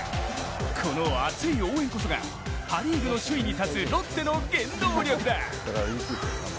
この熱い応援こそがパ・リーグの首位に立つロッテの原動力だ。